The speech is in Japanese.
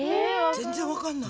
全然わかんない。